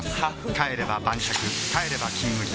帰れば晩酌帰れば「金麦」